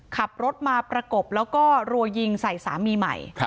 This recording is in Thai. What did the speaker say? ขับรถมาประกบแล้วก็รัวยิงใส่สามีใหม่